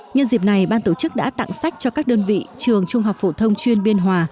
nhân dịp này ban tổ chức đã tặng sách cho các đơn vị trường trung học phổ thông chuyên biên hòa